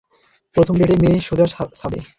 প্রথম ডেটেই মেয়ে সোজা ছাদে!